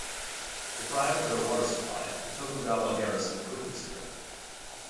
Deprived of their water supply, the Tokugawa garrison quickly surrendered.